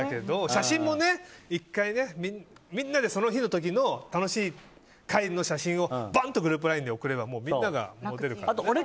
写真も１回みんなでその日の時の楽しい会の写真をバンとグループＬＩＮＥで送ればみんなで見れるからね。